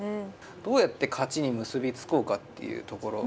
どうやって勝ちに結び付こうかっていうところ。